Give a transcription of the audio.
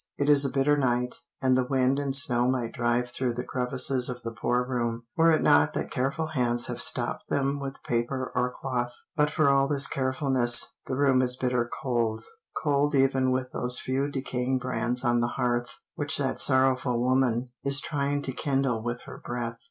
It is a bitter night, and the wind and snow might drive through the crevices of the poor room, were it not that careful hands have stopped them with paper or cloth. But for all this carefulness, the room is bitter cold cold even with those few decaying brands on the hearth, which that sorrowful woman is trying to kindle with her breath.